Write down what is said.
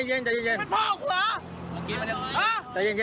มันจอดอย่างง่ายอย่างง่ายอย่างง่าย